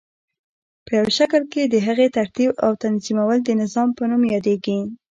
په یوه شکل سره د هغی ترتیب او تنظیمول د نظام په نوم یادیږی.